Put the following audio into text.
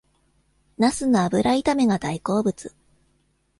ナスの油炒めが大好物